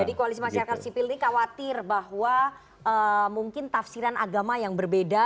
jadi kualis masyarakat sipil ini khawatir bahwa mungkin tafsiran agama yang berbeda